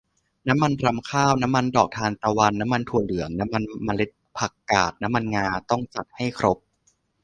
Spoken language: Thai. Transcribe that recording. น้ำมันรำข้าว น้ำมันดอกทานตะวัน น้ำมันถั่วเหลือง น้ำมันเมล็ดผักกาด น้ำมันงา ต้องจัดให้ครบ